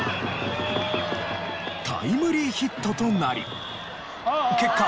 タイムリーヒットとなり結果